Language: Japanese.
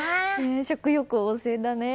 食欲旺盛だね。